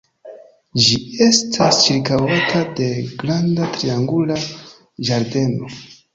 Ĝi estas ĉirkaŭata de granda triangula ĝardeno.